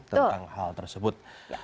tentang hal tersebut